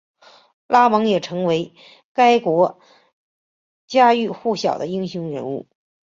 拉蒙也成为该国家喻户晓的英雄人物。